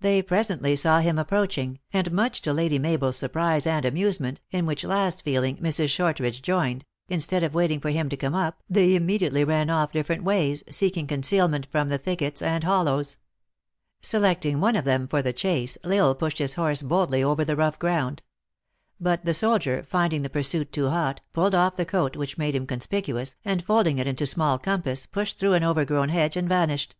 They presently saw him ap proaching, and much to Lady Mabel s surprise and amusement, in which last feeling, Mrs. Shortridge joined, instead of waiting for him to come up, they immediately ran off different ways, seeking conceal ment from the thickets and hollows. Selecting one ot them for the chase, L Isle pushed his horse boldly over the rough ground. But the soldier, finding the pursuit too hot, pulled off the coat which made him conspicuous, and folding it into small compass, pushed through an overgrown hedge and vanished.